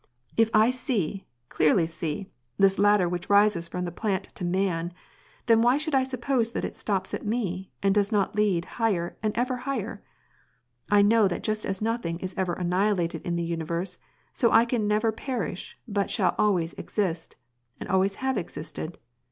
If I see, clearly see, this ladder which rises from the plant to man, then why should I suppose that it stops at me, and does not lead higher and ever higher ? I know that just as nothing is ever annihilated in the universe, so I can never perish but shall always exist, and always have existed.